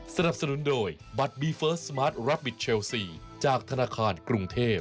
สนับสนุนโดยบัตรบีเฟิร์สสมาร์ทรับบิทเชลซีจากธนาคารกรุงเทพ